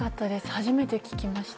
初めて聞きました。